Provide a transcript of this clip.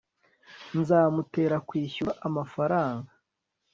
nzamutera kwishyura amafaranga